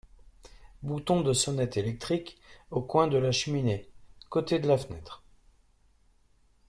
Bouton de sonnette électrique au coin de la cheminée, côté de la fenêtre.